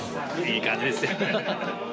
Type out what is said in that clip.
いい感じです。